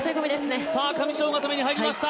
上四方固めに入りました！